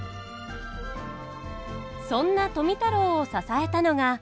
そんな富太郎を支えたのが。